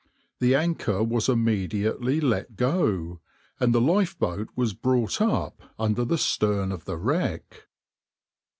The anchor was immediately let go, and the lifeboat was brought up under the stern of the wreck.